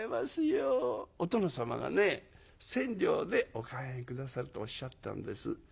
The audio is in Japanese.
お殿様がね千両でお買い上げ下さるとおっしゃったんです」。